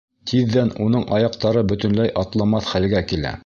Тиҙҙән уның аяҡтары бөтөнләй атламаҫ хәлгә килә.